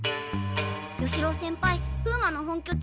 与四郎先輩風魔の本拠地